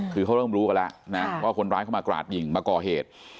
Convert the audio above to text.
คือเขาเริ่มรู้กันแล้วนะว่าคนร้ายเข้ามากราดยิงมาก่อเหตุ